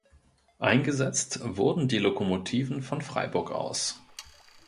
Eingesetzt wurden die Lokomotiven von Freiburg aus.